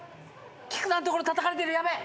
菊田の所たたかれてるヤベえ！